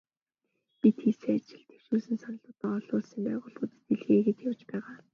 Бид хийсэн ажил, дэвшүүлсэн саналуудаа олон улсын байгууллагуудад илгээгээд явж байгаа.